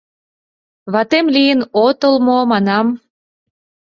— Ватем лийын отыл мо, манам?